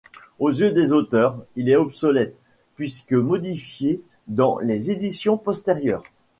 Aux yeux des auteurs, il est obsolète, puisque modifié dans les éditions postérieures.